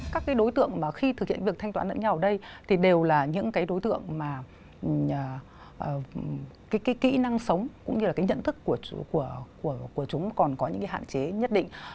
các đối tượng khi thực hiện việc thanh toán ở nhà ở đây đều là những đối tượng mà kỹ năng sống cũng như nhận thức của chúng còn có những hạn chế nhất định